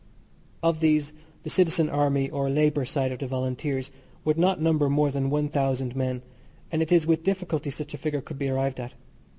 Of these, the Citizen Army or Labour side of the Volunteers, would not number more than one thousand men, and it is with difficulty such a figure could be arrived at.